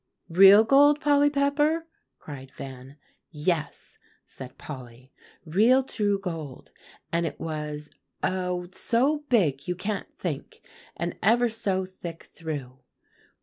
"Real gold, Polly Pepper?" cried Van. "Yes," said Polly, "real true gold; and it was oh! so big, you can't think, and ever so thick through.